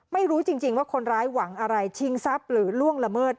ไม่รู้จริงว่าคนร้ายหวังอะไรชิงทรัพย์หรือล่วงละเมิด